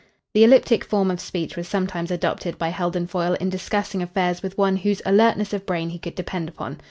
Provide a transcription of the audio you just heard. The elliptic form of speech was sometimes adopted by Heldon Foyle in discussing affairs with one whose alertness of brain he could depend upon.